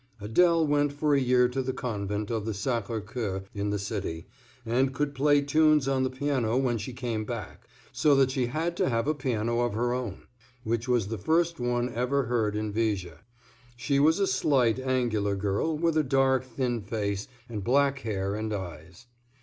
Adèle went for a year to the Convent of the Sacre Cœur in the city, and could play tunes on the piano when she came back; so that she had to have a piano of her own, which was the first one ever heard in Viger. She was a slight, angular girl, with a dark, thin face and black hair and eyes.